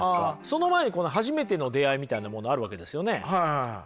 その前に初めての出会いみたいなものあるわけですよね？